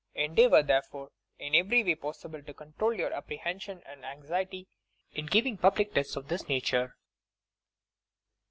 Endeavour, therefore, in every way possible to control your appre hension and anxiety in giving public tests of this nature.